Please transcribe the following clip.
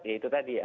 ya itu tadi